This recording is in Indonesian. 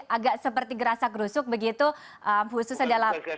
agak seperti gerasa krusuk begitu khusus adalah